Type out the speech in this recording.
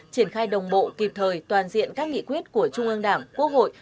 triển khai đồng bộ kịp thời toàn diện các nghị quyết của trung ương đảng quốc hội